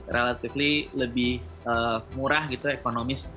relatively lebih murah gitu ekonomis